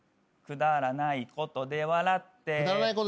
くだらないことで笑うの大事。